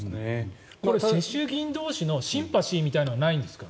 世襲議員同士のシンパシーみたいなものはないんですか？